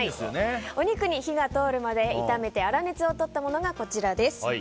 お肉に火が通るまで炒めて粗熱をとったものがこちらです。